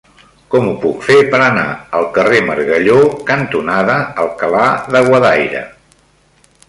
Com ho puc fer per anar al carrer Margalló cantonada Alcalá de Guadaira?